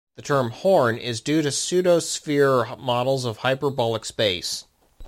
The term "horn" is due to pseudosphere models of hyperbolic space.